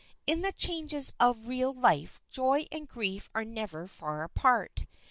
In the changes of real life joy and grief are never far apart.